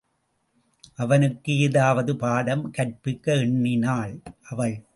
அவனுக்கு ஏதாவது பாடம் கற்பிக்க எண்ணினாள் அவள்.